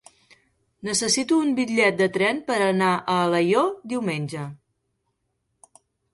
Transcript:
Necessito un bitllet de tren per anar a Alaior diumenge.